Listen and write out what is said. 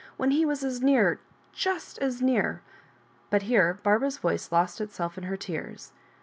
when he was as near— just as near" — but here Barbara's voice lost itself in her tears.'